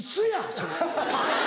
それ。